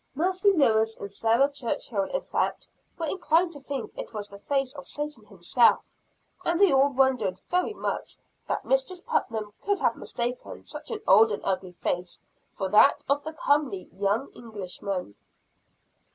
Mercy Lewis and Sarah Churchill, in fact, were inclined to think it was the face of Satan himself; and they all wondered very much that Mistress Putnam could have mistaken such an old and ugly face, for that of the comely young Englishman.